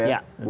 iya tetap fokus